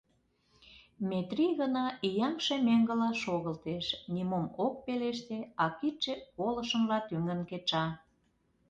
Метрий гына ияҥше меҥгыла шогылтеш, нимом ок пелеште, а кидше колышынла тӱҥын кеча.